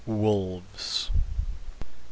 "Wolves."